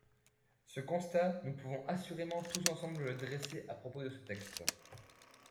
Ce constat, nous pouvons assurément tous ensemble le dresser à propos de ce texte.